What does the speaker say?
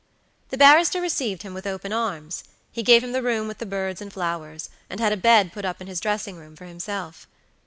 The barrister received him with open arms; he gave him the room with the birds and flowers, and had a bed put up in his dressing room for himself.